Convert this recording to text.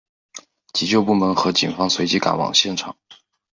急救部门和警方随即赶往现场。